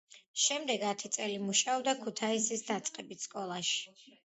შემდეგ ათი წელი მუშაობდა ქუთაისის დაწყებით სკოლაში.